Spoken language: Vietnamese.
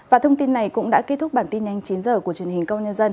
và thông tin này cũng đã kết thúc bản tin nhanh chín h của truyền hình